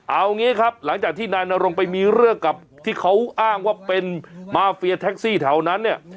เอางี้ครับหลังจากที่นายนรงไปมีเรื่องกับที่เขาอ้างว่าเป็นมาเฟียแท็กซี่แถวนั้นเนี่ย